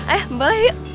eh boleh yuk